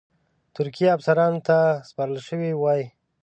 ترکي افسرانو ته سپارل شوی وای.